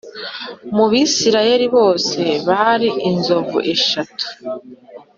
mu Bisirayeli bose bari inzovu eshatu